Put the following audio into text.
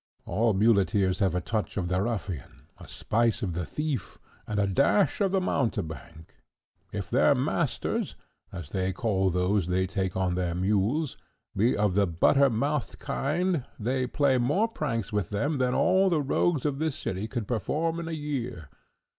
All muleteers have a touch of the ruffian, a spice of the thief, and a dash of the mountebank. If their masters, as they call those they take on their mules, be of the butter mouthed kind, they play more pranks with them than all the rogues of this city could perform in a year.